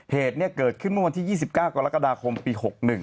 เหตุเกิดขึ้นเมื่อวันที่๒๙กรกฎาคมปี๖๑